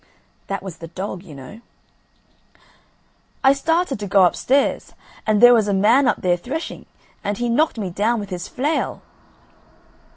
That was the dog, you know. "I started to go upstairs, and there was a man up there threshing, and he knocked me down with his flail."